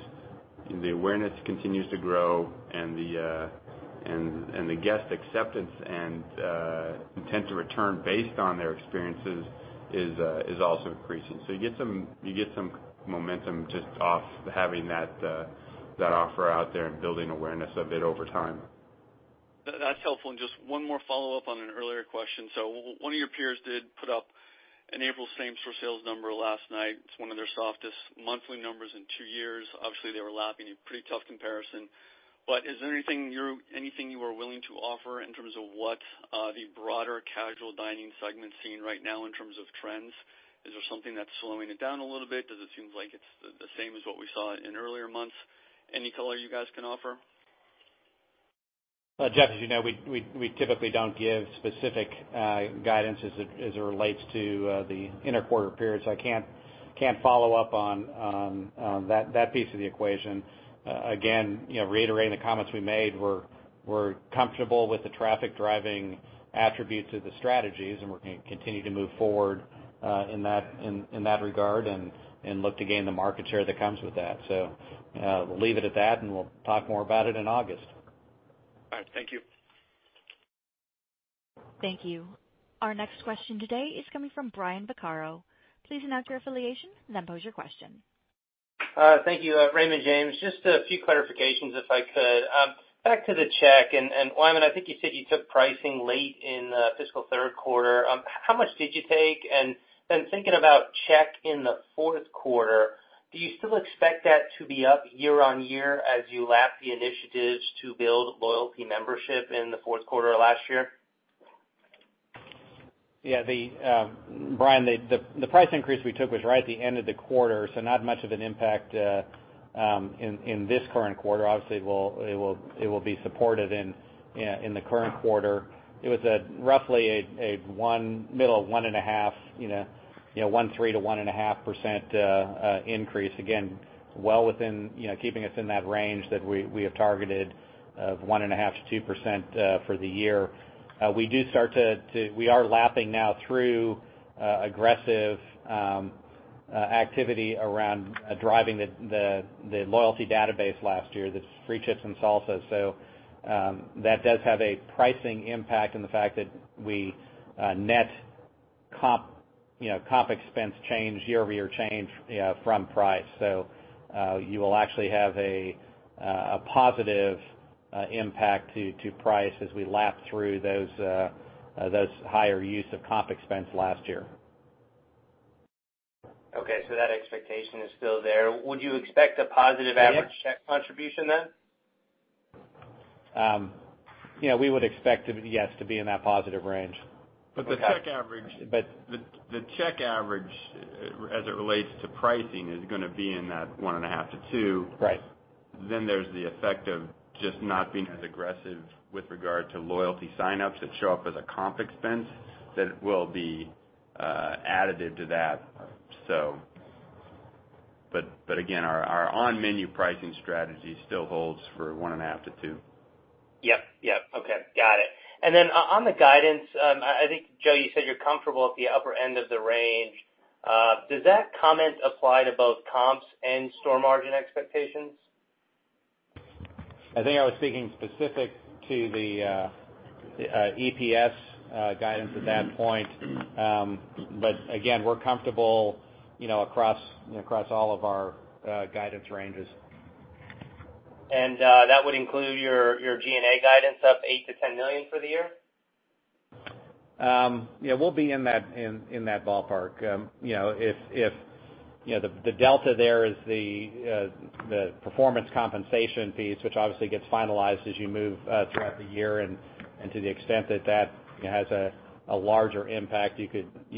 the awareness continues to grow and the guest acceptance and intent to return based on their experiences is also increasing. You get some momentum just off having that offer out there and building awareness of it over time. That's helpful. Just one more follow-up on an earlier question. One of your peers did put up an April same-store sales number last night. It's one of their softest monthly numbers in two years. Obviously, they were lapping a pretty tough comparison. Is there anything you are willing to offer in terms of what the broader casual dining segment is seeing right now in terms of trends? Is there something that's slowing it down a little bit? Does it seem like it's the same as what we saw in earlier months? Any color you guys can offer? Well, Jeff, as you know, we typically don't give specific guidance as it relates to the inter-quarter periods. I can't follow up on that piece of the equation. Again, reiterating the comments we made, we're comfortable with the traffic-driving attribute to the strategies, and we're going to continue to move forward in that regard and look to gain the market share that comes with that. We'll leave it at that, and we'll talk more about it in August. All right. Thank you. Thank you. Our next question today is coming from Brian Vaccaro. Please announce your affiliation, then pose your question. Thank you. Raymond James. Just a few clarifications, if I could. Back to the check, and Wyman, I think you said you took pricing late in fiscal third quarter. How much did you take? Then thinking about check in the fourth quarter, do you still expect that to be up year-on-year as you lap the initiatives to build loyalty membership in the fourth quarter of last year? Brian, the price increase we took was right at the end of the quarter, not much of an impact in this current quarter. Obviously, it will be supported in the current quarter. It was roughly a 1.3%-1.5% increase. Again, keeping us in that range that we have targeted of 1.5%-2% for the year. We are lapping now through aggressive activity around driving the loyalty database last year, the free chips and salsa. That does have a pricing impact in the fact that we net comp expense change, year-over-year change from price. You will actually have a positive impact to price as we lap through those higher use of comp expense last year. That expectation is still there. Would you expect a positive average- Yes. Check contribution then? We would expect, yes, to be in that positive range. The check average as it relates to pricing is going to be in that 1.5%-2%. Right. There's the effect of just not being as aggressive with regard to loyalty sign-ups that show up as a comp expense that will be additive to that. Again, our on-menu pricing strategy still holds for 1.5%-2%. Yep. Okay. Got it. On the guidance, I think, Joe, you said you're comfortable at the upper end of the range. Does that comment apply to both comps and store margin expectations? I think I was speaking specific to the EPS guidance at that point. Again, we're comfortable across all of our guidance ranges. That would include your G&A guidance up $8 million-$10 million for the year? Yeah, we'll be in that ballpark. The delta there is the performance compensation piece, which obviously gets finalized as you move throughout the year, and to the extent that has a larger impact, you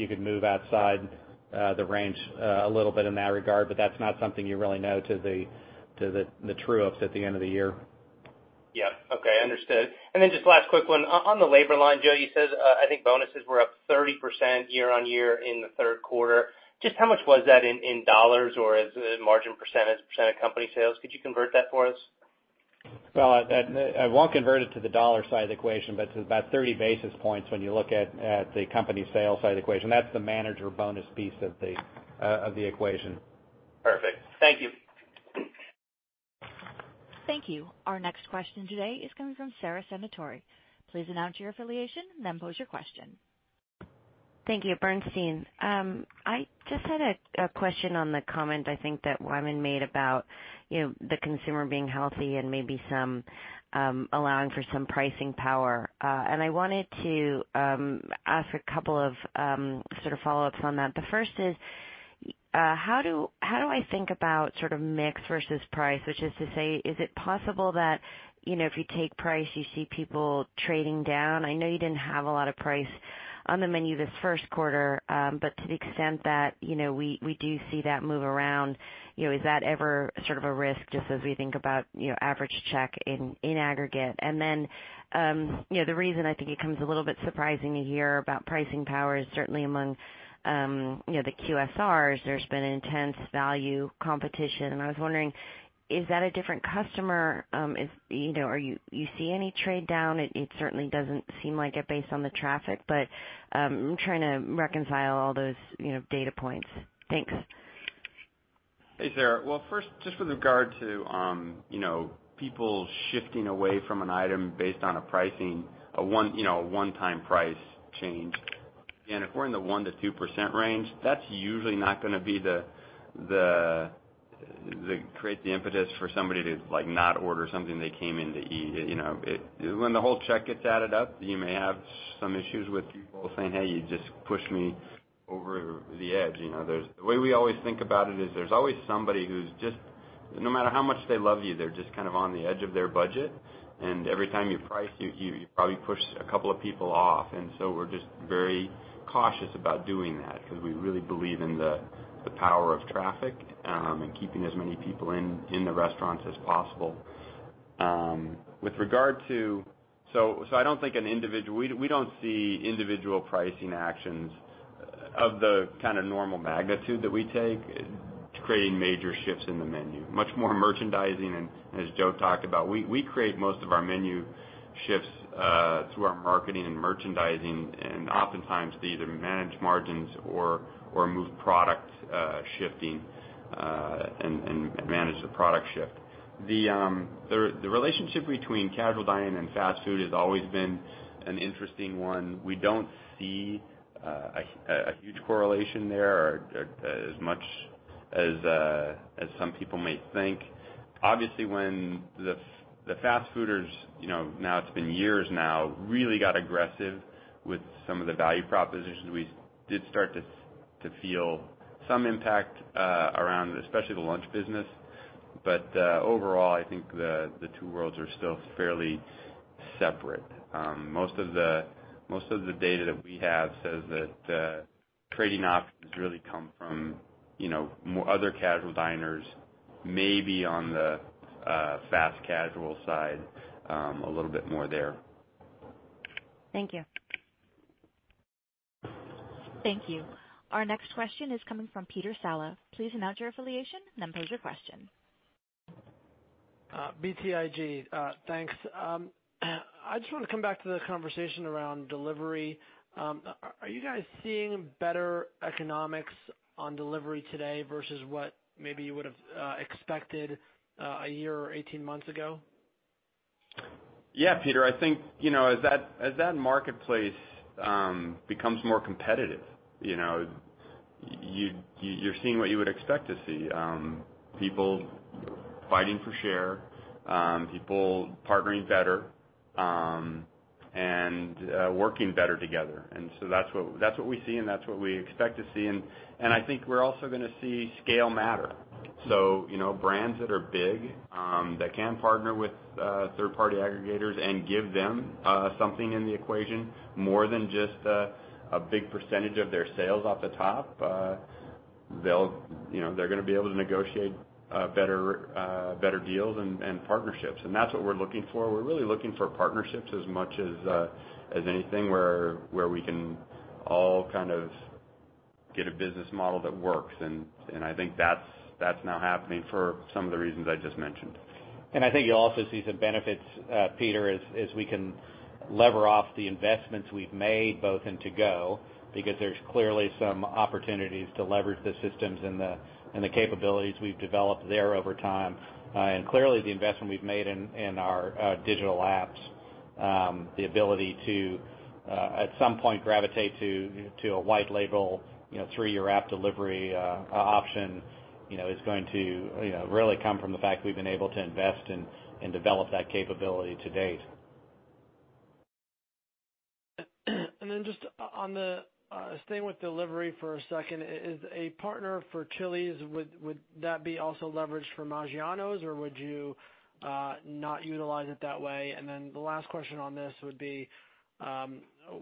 could move outside the range a little bit in that regard, but that's not something you really know to the true ups at the end of the year. Yep. Okay. Understood. Then just last quick one. On the labor line, Joe, you said, I think bonuses were up 30% year-over-year in the third quarter. Just how much was that in dollars or as a margin percent, percent of company sales? Could you convert that for us? Well, I won't convert it to the dollar side of the equation, but it's about 30 basis points when you look at the company sales side of the equation. That's the manager bonus piece of the equation. Perfect. Thank you. Thank you. Our next question today is coming from Sara Senatore. Please announce your affiliation, then pose your question. Thank you. Bernstein. I just had a question on the comment I think that Wyman made about the consumer being healthy and maybe allowing for some pricing power. I wanted to ask a couple of sort of follow-ups on that. The first is, how do I think about mix versus price? Which is to say, is it possible that if you take price, you see people trading down? I know you didn't have a lot of price on the menu this first quarter, but to the extent that we do see that move around, is that ever a risk just as we think about average check in aggregate? Then, the reason I think it comes a little bit surprising to hear about pricing power is certainly among the QSRs, there's been intense value competition, and I was wondering, is that a different customer? Do you see any trade-down? It certainly doesn't seem like it based on the traffic, I'm trying to reconcile all those data points. Thanks. Hey, Sara. Well, first, just with regard to people shifting away from an item based on a pricing, a one-time price change. Again, if we're in the 1%-2% range, that's usually not going to create the impetus for somebody to not order something they came in to eat. When the whole check gets added up, you may have some issues with people saying, "Hey, you just pushed me over the edge." The way we always think about it is there's always somebody who's just, no matter how much they love you, they're just on the edge of their budget. Every time you price, you probably push a couple of people off. We're just very cautious about doing that because we really believe in the power of traffic, and keeping as many people in the restaurants as possible. We don't see individual pricing actions of the kind of normal magnitude that we take creating major shifts in the menu. Much more merchandising, and as Joe talked about, we create most of our menu shifts through our marketing and merchandising, and oftentimes to either manage margins or move product shifting, and manage the product shift. The relationship between casual dining and fast food has always been an interesting one. We don't see a huge correlation there, or as much as some people may think. Obviously, when the fast fooders, now it's been years now, really got aggressive with some of the value propositions, we did start to feel some impact around, especially the lunch business. Overall, I think the two worlds are still fairly separate. Most of the data that we have says that trading options really come from more other casual diners, maybe on the fast-casual side, a little bit more there. Thank you. Thank you. Our next question is coming from Peter Saleh. Please announce your affiliation, and then pose your question. BTIG, thanks. I just want to come back to the conversation around delivery. Are you guys seeing better economics on delivery today versus what maybe you would've expected a year or 18 months ago? Yeah, Peter, I think, as that marketplace becomes more competitive, you're seeing what you would expect to see. People fighting for share, people partnering better, and working better together. That's what we see, and that's what we expect to see. I think we're also going to see scale matter. So, brands that are big, that can partner with third-party aggregators and give them something in the equation, more than just a big percentage of their sales off the top, they're going to be able to negotiate better deals and partnerships. That's what we're looking for. We're really looking for partnerships as much as anything, where we can all kind of get a business model that works. I think that's now happening for some of the reasons I just mentioned. I think you'll also see some benefits, Peter, as we can lever off the investments we've made both in To-Go, because there's clearly some opportunities to leverage the systems and the capabilities we've developed there over time. Clearly the investment we've made in our digital apps, the ability to, at some point gravitate to a white label, third-party app delivery option is going to really come from the fact we've been able to invest in and develop that capability to date. Staying with delivery for a second. Is a partner for Chili's, would that be also leveraged for Maggiano's, or would you not utilize it that way? The last question on this would be,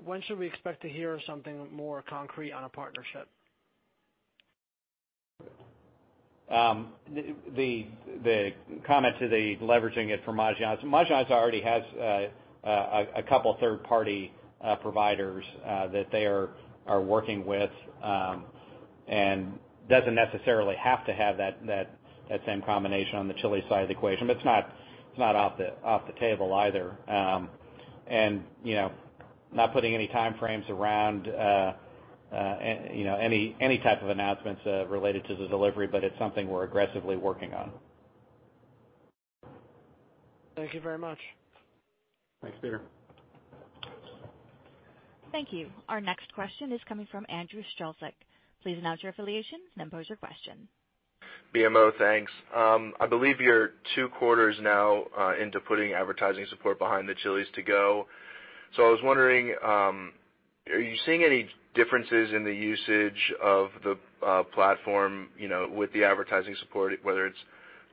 when should we expect to hear something more concrete on a partnership? The comment to the leveraging it for Maggiano's. Maggiano's already has a couple third-party providers that they are working with, and doesn't necessarily have to have that same combination on the Chili's side of the equation. It's not off the table either. Not putting any time frames around any type of announcements related to the delivery, but it's something we're aggressively working on. Thank you very much. Thanks, Peter. Thank you. Our next question is coming from Andrew Strelzik. Please announce your affiliation, then pose your question. BMO, thanks. I believe you're two quarters now into putting advertising support behind the Chili's To-Go. I was wondering, are you seeing any differences in the usage of the platform with the advertising support, whether it's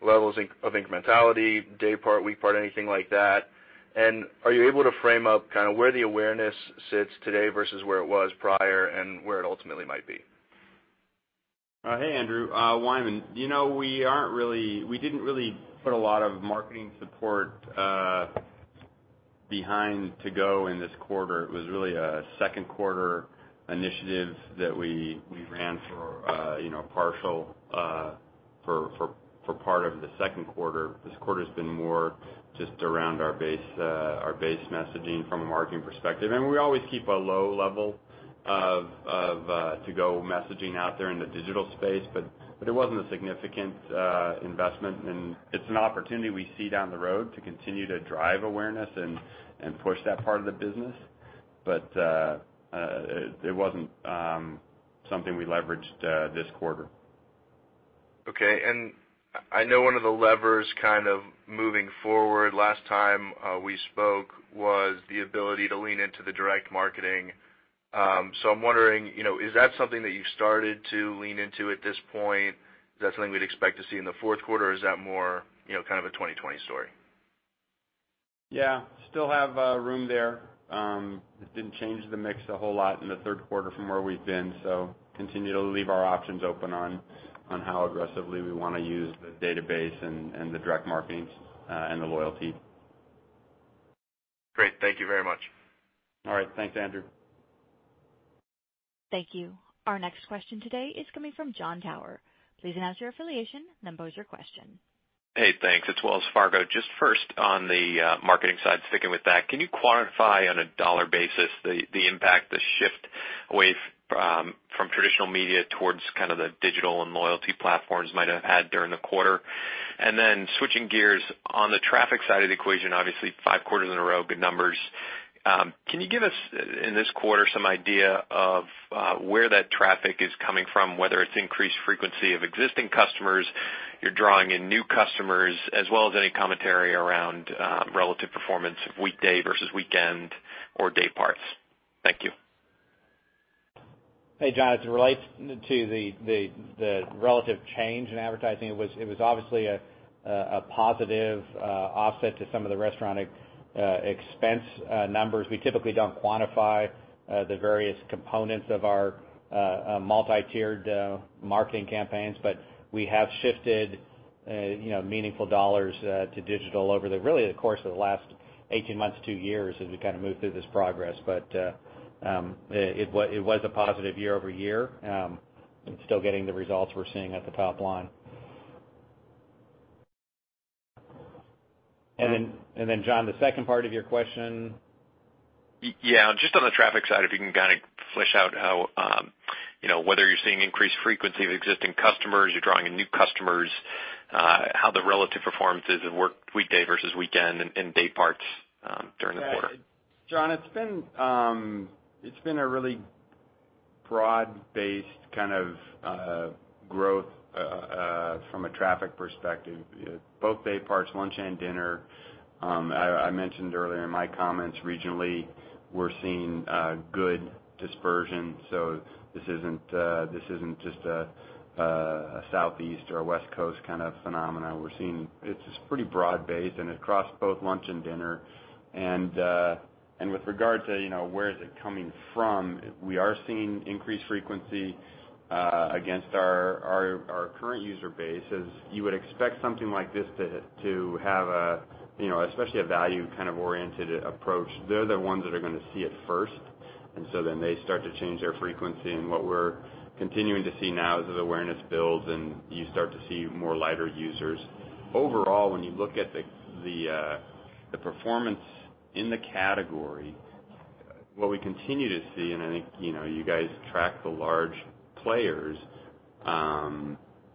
levels of incrementality, day part, week part, anything like that? Are you able to frame up kind of where the awareness sits today versus where it was prior, and where it ultimately might be? Hey, Andrew. Wyman. We didn't really put a lot of marketing support behind To-Go in this quarter. It was really a second quarter initiative that we ran for part of the second quarter. This quarter's been more just around our base messaging from a marketing perspective. We always keep a low level of To-Go messaging out there in the digital space, but it wasn't a significant investment, and it's an opportunity we see down the road to continue to drive awareness and push that part of the business. It wasn't something we leveraged this quarter. Okay. I know one of the levers kind of moving forward last time we spoke was the ability to lean into the direct marketing. I'm wondering, is that something that you've started to lean into at this point? Is that something we'd expect to see in the fourth quarter, or is that more kind of a 2020 story? Yeah. Still have room there. It didn't change the mix a whole lot in the third quarter from where we've been. Continue to leave our options open on how aggressively we want to use the database and the direct marketings, and the loyalty. Great. Thank you very much. All right. Thanks, Andrew. Thank you. Our next question today is coming from Jon Tower. Please announce your affiliation and then pose your question. Hey, thanks. It's Wells Fargo. First on the marketing side, sticking with that, can you quantify on a dollar basis the impact, the shift away from traditional media towards kind of the digital and loyalty platforms might have had during the quarter? Switching gears, on the traffic side of the equation, obviously five quarters in a row, good numbers. Can you give us, in this quarter, some idea of where that traffic is coming from, whether it's increased frequency of existing customers, you're drawing in new customers, as well as any commentary around relative performance weekday versus weekend or day parts? Thank you. Hey, Jon. As it relates to the relative change in advertising, it was obviously a positive offset to some of the restaurant expense numbers. We typically don't quantify the various components of our multi-tiered marketing campaigns, but we have shifted meaningful dollars to digital over really the course of the last 18 months to two years as we kind of moved through this progress. It was a positive year-over-year, and still getting the results we're seeing at the top line. Jon, the second part of your question? On the traffic side, if you can kind of flesh out whether you're seeing increased frequency of existing customers, you're drawing in new customers, how the relative performance is at workday versus weekend and day parts during the quarter. Jon, it's been a really broad-based kind of growth from a traffic perspective, both day parts, lunch and dinner. I mentioned earlier in my comments regionally, we're seeing good dispersion. This isn't just a Southeast or a West Coast kind of phenomena. It's pretty broad-based and across both lunch and dinner. With regard to where is it coming from, we are seeing increased frequency against our current user base. As you would expect something like this to have especially a value kind of oriented approach, they're the ones that are going to see it first. They start to change their frequency, and what we're continuing to see now as awareness builds, and you start to see more lighter users. Overall, when you look at the performance in the category, what we continue to see, and I think you guys track the large players,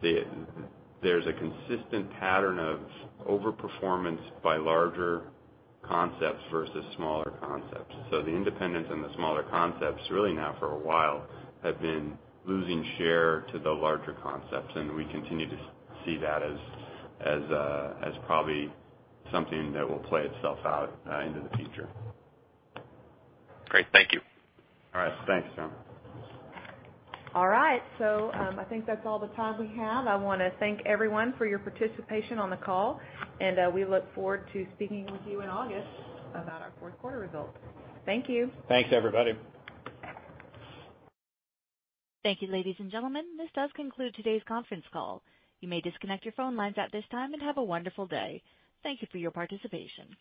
there's a consistent pattern of over-performance by larger concepts versus smaller concepts. The independents and the smaller concepts, really now for a while, have been losing share to the larger concepts, and we continue to see that as probably something that will play itself out into the future. Great. Thank you. All right. Thanks, Jon. All right. I think that's all the time we have. I want to thank everyone for your participation on the call, and we look forward to speaking with you in August about our fourth quarter results. Thank you. Thanks, everybody. Thank you, ladies and gentlemen. This does conclude today's conference call. You may disconnect your phone lines at this time, and have a wonderful day. Thank you for your participation.